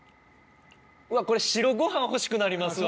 これ白ご飯欲しくなりますわ。